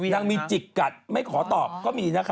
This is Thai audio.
นางมีจิกกัดไม่ขอตอบก็มีนะคะ